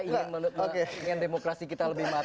ingin menurutnya ingin demokrasi kita lebih matang